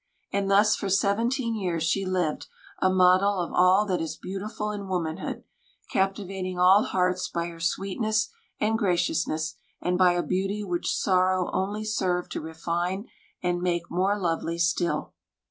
And thus for seventeen years she lived, a model of all that is beautiful in womanhood, captivating all hearts by her sweetness and graciousness, and by a beauty which sorrow only served to refine and make more lovely still.